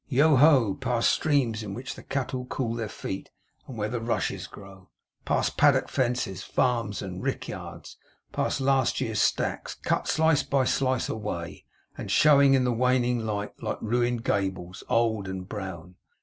Yoho, past streams, in which the cattle cool their feet, and where the rushes grow; past paddock fences, farms, and rick yards; past last year's stacks, cut, slice by slice, away, and showing, in the waning light, like ruined gables, old and brown.